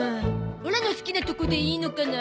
オラの好きなとこでいいのかな？